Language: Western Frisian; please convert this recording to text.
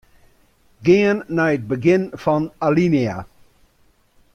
Gean nei it begjin fan alinea.